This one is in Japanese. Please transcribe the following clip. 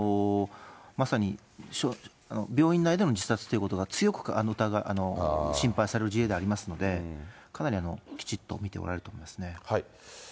まさに病院内での自殺ということが強く心配される事例ではありますので、かなりきちっと見ておられると思いますね。